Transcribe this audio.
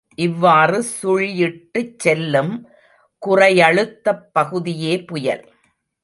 இவ்வாறு சுழியிட்டுச் செல்லும் குறையழுத்தப் பகுதியே புயல்.